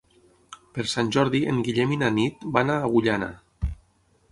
Per Sant Jordi en Guillem i na Nit van a Agullana.